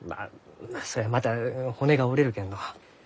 そりゃまた骨が折れるけんど。